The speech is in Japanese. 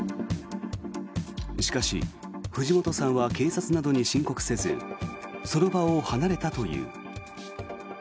しかし藤本さんは警察などに申告せずその場を離れたという。